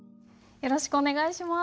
よろしくお願いします。